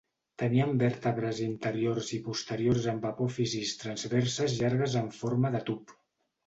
Tenien vèrtebres interiors i posteriors amb apòfisis transverses llargues en forma de tub.